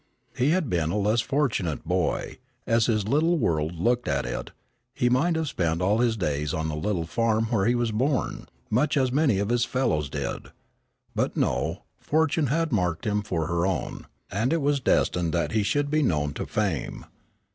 Had he been a less fortunate boy, as his little world looked at it, he might have spent all his days on the little farm where he was born, much as many of his fellows did. But no, Fortune had marked him for her own, and it was destined that he should be known to fame.